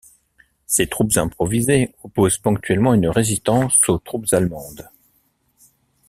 Ces troupes improvisées opposent ponctuellement une résistance aux troupes allemandes.